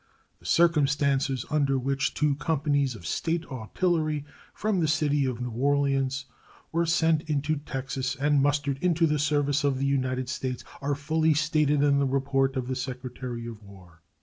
The circumstances under which two companies of State artillery from the city of New Orleans were sent into Texas and mustered into the service of the United States are fully stated in the report of the Secretary of War.